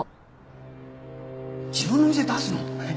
自分の店出すの？